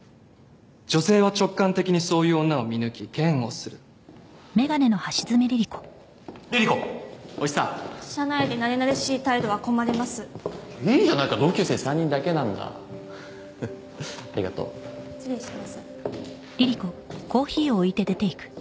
女性は直感的にそういう女を見抜き嫌悪するリリ子お久社内でなれなれしい態度は困りますいいじゃないか同級生３人だけなんだふっありがとう失礼します